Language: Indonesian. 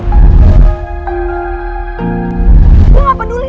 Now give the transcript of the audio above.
gue gak peduli dihasut kek atau apapun gue gak peduli